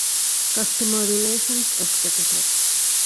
ކަސްޓަމަރ ރިލޭޝަންސް އެގްޒެކެޓިވް